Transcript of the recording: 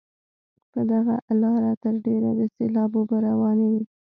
په دغه لاره تر ډېره د سیلاب اوبه روانې وي.